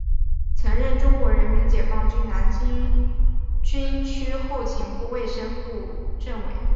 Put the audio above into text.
曾任中国人民解放军南京军区后勤部卫生部政委。